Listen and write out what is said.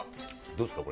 どうですか？